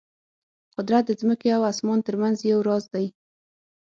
قدرت د ځمکې او اسمان ترمنځ یو راز دی.